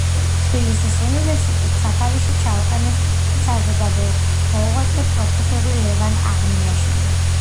თბილისის უნივერსიტეტს სათავეში ჩაუყენეს საზოგადო მოღვაწე, პროფესორი ლევან აღნიაშვილი.